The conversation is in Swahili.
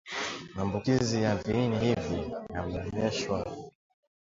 Maambukizi ya viini hivi yameonyeshwa